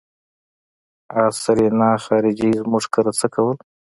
آ سېرېنا خارجۍ زموږ کره څه کول.